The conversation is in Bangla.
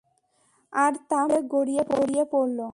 আর তা মাটিতে গড়িয়ে পড়ল।